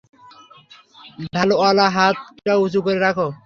ঢাল-ওয়ালা হাতটা উঁচু করে রাখো।